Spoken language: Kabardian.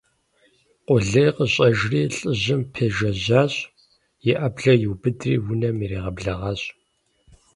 Къулейр къыщӀэжри лӀыжьым пежэжьащ, и Ӏэблэр иубыдри унэм иригъэблэгъащ.